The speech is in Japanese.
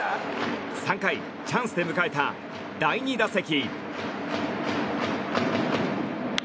３回チャンスで迎えた第２打席。